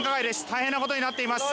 大変なことになっています。